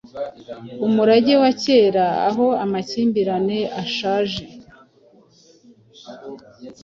Umurage wa kera aho amakimbirane ashaje